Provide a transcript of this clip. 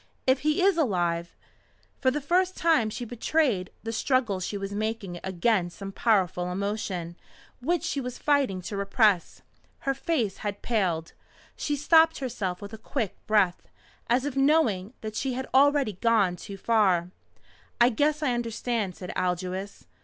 If he is alive " For the first time she betrayed the struggle she was making against some powerful emotion which she was fighting to repress. Her face had paled. She stopped herself with a quick breath, as if knowing that she had already gone too far. "I guess I understand," said Aldous.